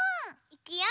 いくよ！